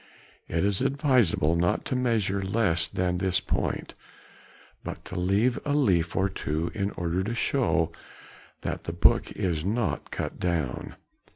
It is advisable not to measure less than this point, but to leave a leaf or two in order to show that the book is not cut down.